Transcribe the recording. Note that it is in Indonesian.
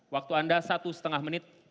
waktu anda satu setengah menit